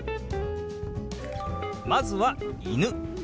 まずは「犬」。